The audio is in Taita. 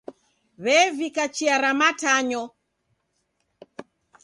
W'evika chia ra matanyo.